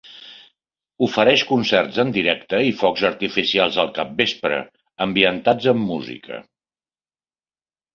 Ofereix concerts en directe i focs artificials al capvespre, ambientats amb música.